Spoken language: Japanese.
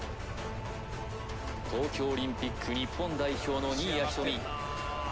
東京オリンピック日本代表の新谷仁美